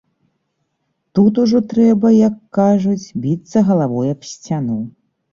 Тут ужо трэба, як кажуць, біцца галавой аб сцяну.